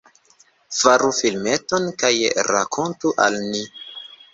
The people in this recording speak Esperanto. Faru filmeton kaj rakontu al ni!